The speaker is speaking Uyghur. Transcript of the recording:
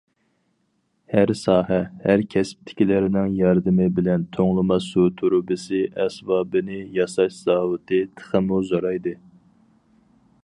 ھەر ساھە، ھەر كەسىپتىكىلەرنىڭ ياردىمى بىلەن توڭلىماس سۇ تۇرۇبىسى ئەسۋابىنى ياساش زاۋۇتى تېخىمۇ زورايدى.